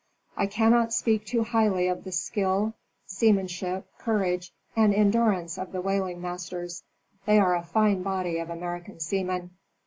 I cannot speak too highly of the skill, seamanship, courage, and endurance of the whaling masters. They are a fine body of American seamen.